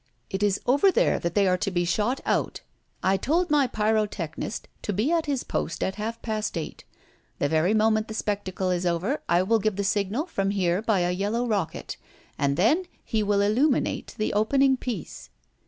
"It is over there that they are to be shot out. I told my pyrotechnist to be at his post at half past eight. The very moment the spectacle is over, I will give the signal from here by a yellow rocket, and then he will illuminate the opening piece."